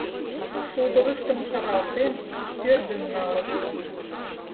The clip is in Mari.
Шулдырыштым шаралтен пӧрдын налыт.